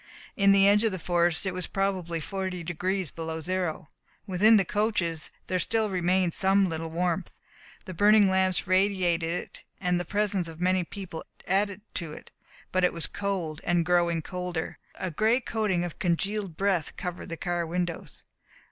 In the edge of the forest it was probably forty degrees below zero. Within the coaches there still remained some little warmth. The burning lamps radiated it and the presence of many people added to it. But it was cold, and growing colder. A gray coating of congealed breath covered the car windows.